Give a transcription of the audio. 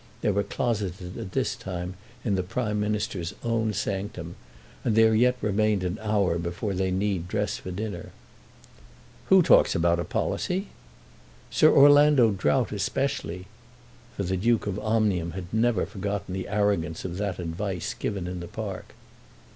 They were closeted at this time in the Prime Minister's own sanctum, and there yet remained an hour before they need dress for dinner. "Who talks about a policy?" "Sir Orlando Drought especially." For the Duke of Omnium had never forgotten the arrogance of that advice given in the park.